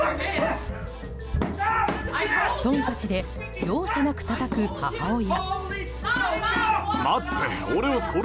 トンカチで容赦なくたたく母親。